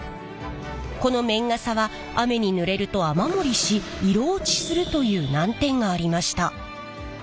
この綿傘は雨にぬれると雨漏りし色落ちするという難点がありました。